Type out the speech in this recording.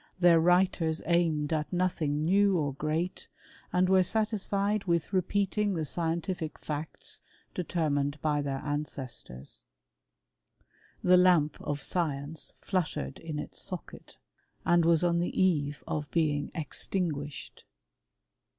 Their writers aimed at nothing new or great, and were satisfied with repeating the scientific fticts determined by their ancestors. The lamp of science fluttered in its socket, and was on the eve of ^ing extinguished.